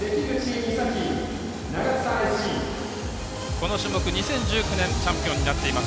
この種目２０１９年チャンピオンになっています